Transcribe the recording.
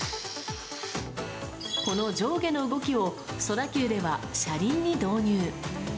この上下の動きを、ソラキューでは車輪に導入。